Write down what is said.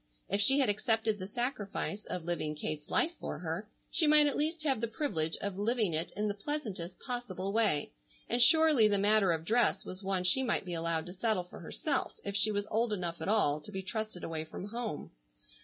If she had accepted the sacrifice of living Kate's life for her, she might at least have the privilege of living it in the pleasantest possible way, and surely the matter of dress was one she might be allowed to settle for herself if she was old enough at all to be trusted away from home.